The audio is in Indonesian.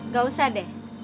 gak usah deh